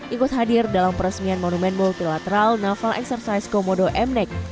ikut hadir dalam peresmian monumen multilateral naval exercise komodo mnec